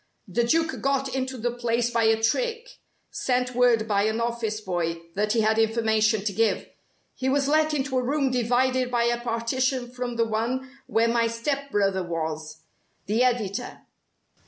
The Duke got into the place by a trick sent word by an office boy that he had information to give. He was let into a room divided by a partition from the one where my step brother was the editor.